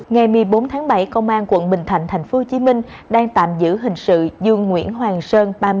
ngày một mươi bốn tháng bảy công an quận bình thạnh tp hcm đang tạm giữ hình sự dương nguyễn hoàng sơn